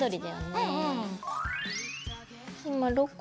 うん。